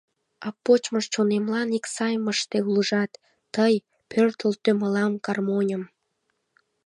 А почмо чонемлан ик сайым ыште улыжат: Тый пӧртылтӧ мылам гармоньым.